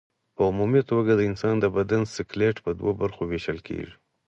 په عمومي توګه د انسان د بدن سکلېټ په دوو برخو ویشل کېږي.